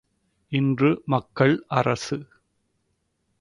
இன்று மக்கள் அரசு!